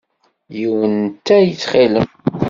Yiwen n ttay ttxil-m!